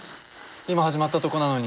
今始まったとこなのに。